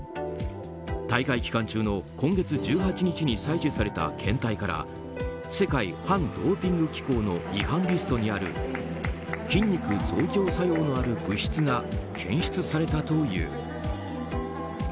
大会期間中の今月１８日に採取された検体から世界反ドーピング機構の違反リストにある筋肉増強作用のある物質が検出されたという。